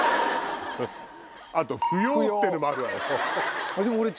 あと「不要」ってのもあるわよ。